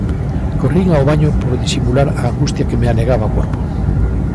Corrín ao baño por disimular a angustia que me anegaba o corpo.